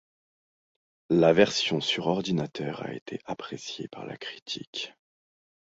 La version sur ordinateur a été apprécié par la critique.